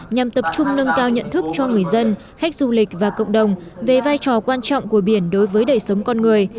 nhằm tập trung nâng cao nhận thức cho người dân khách du lịch và cộng đồng về vai trò quan trọng của biển đối với đời sống con người